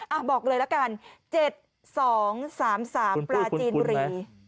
อ่ะบอกเลยแล้วกัน๗๒๓๓ปราจีนบุรี